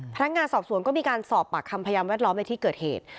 พนักงานสอบสวนก็มีการสอบปากคำพยานแวดล้อมในที่เกิดเหตุ